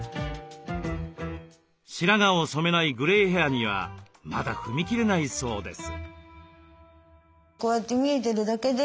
白髪を染めないグレイヘアにはまだ踏み切れないそうです。